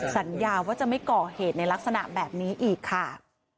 สัญญาว่าจะไม่ก่อเหตุในลักษณะแบบนี้อีกค่ะ